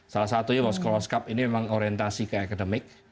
salah satunya worst close cup ini memang orientasi ke akademik